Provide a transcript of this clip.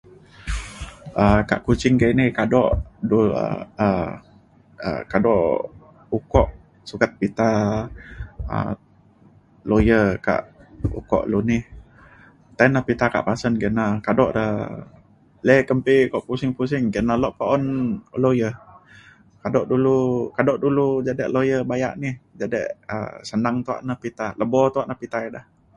um kak Kuching kini kado du um du um kado ukok sukat pita um lawyer kak ukok lu ni. tai na pita kak pasen kina kado da le kempi ko pusing pusing kina lok pa un lawyer. kado dulu kado dulu jadek lawyer bayak ni jadek um senang tuak na lebo na pita ida na.